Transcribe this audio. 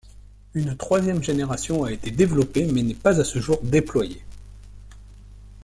Une troisième génération a été développée mais n'est pas à ce jour déployée.